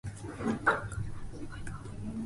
絶対に勝てない戦いがある